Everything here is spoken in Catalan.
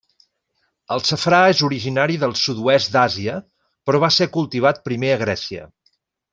El safrà és originari del sud-oest d'Àsia, però va ser cultivat primer a Grècia.